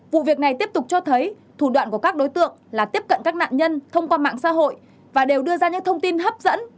vụ việc này tiếp tục cho thấy thủ đoạn của các đối tượng là tiếp cận các nạn nhân thông qua mạng xã hội và đều đưa ra những thông tin hấp dẫn